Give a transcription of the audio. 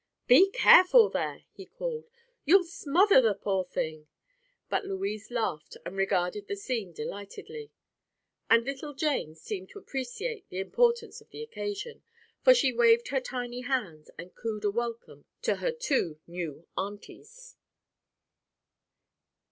"Be careful, there!" he called. "You'll smother the poor thing." But Louise laughed and regarded the scene delightedly. And little Jane seemed to appreciate the importance of the occasion, for she waved her tiny hands and cooed a welcome to her two new aunties.